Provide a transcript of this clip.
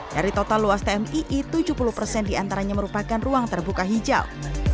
dari total luas tmii tujuh puluh persen diantaranya merupakan ruang terbuka hijau